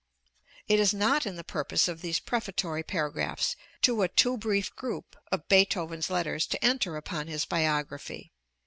] It is not in the purpose of these prefatory paragraphs to a too brief group of Beethoven's letters to enter upon his biography.